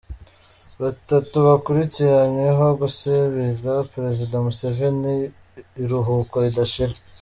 Batatu bakurikiranyweho gusabira Perezida Museveni ‘Iruhuko ridashira’.